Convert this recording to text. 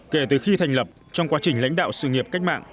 kể từ khi thành lập trong quá trình lãnh đạo sự nghiệp cách mạng